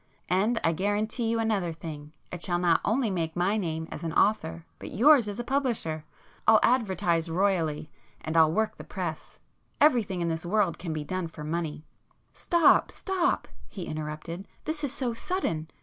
And I guarantee you another thing—it shall not only make my name as an author, but yours as a publisher. I'll advertise royally, and I'll work the press. Everything in this world can be done for money ..." "Stop, stop,"—he interrupted.—"This is so sudden!